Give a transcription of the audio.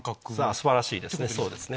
素晴らしいですね。